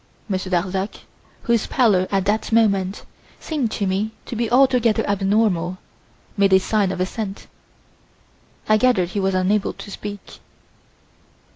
Monsieur Darzac, whose pallor at that moment seemed to me to be altogether abnormal, made a sign of assent. I gathered he was unable to speak.